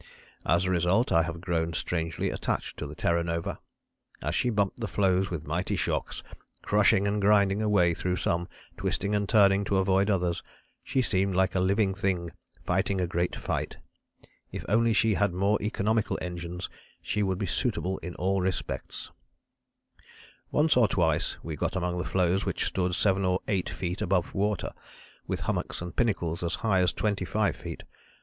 As a result I have grown strangely attached to the Terra Nova. As she bumped the floes with mighty shocks, crushing and grinding a way through some, twisting and turning to avoid others, she seemed like a living thing fighting a great fight. If only she had more economical engines she would be suitable in all respects. [Illustration: TERRA NOVA] "Once or twice we got among floes which stood 7 or 8 feet above water, with hummocks and pinnacles as high as 25 feet.